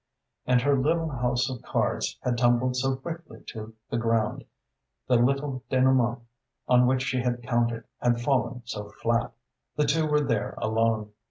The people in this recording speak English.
And her little house of cards had tumbled so quickly to the ground, the little denouement on which she had counted had fallen so flat. They two were there alone.